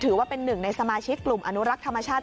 ถือว่าเป็นหนึ่งในสมาชิกกลุ่มอนุรักษ์ธรรมชาติ